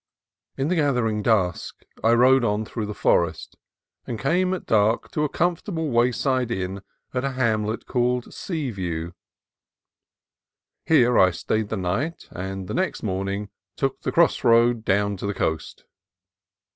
In the gathering dusk I rode on through the forest, and came at dark to a comfortable wayside inn at a hamlet called Seaview. Here I stayed the night, and the next morning took the cross road down to the coast.